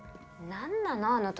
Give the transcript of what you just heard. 何なの？